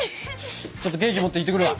ちょっとケーキ持っていってくるわ。